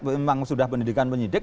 memang sudah pendidikan penyidik